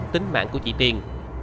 tính mạng của chị tiên